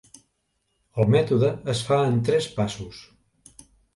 El mètode es fa en tres passos.